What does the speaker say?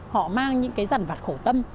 họ mang những cái rằn vặt khổ tâm